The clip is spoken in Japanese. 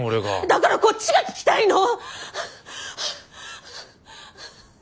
だからこっちが聞きたいの！